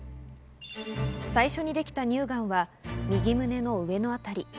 最初にできた乳がんは右胸の上のあたり。